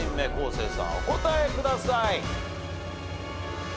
生さんお答えください。